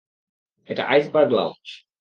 এটা iceberg lounge.